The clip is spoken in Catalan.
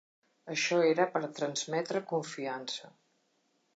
Això era per transmetre confiança.